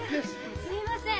すいません。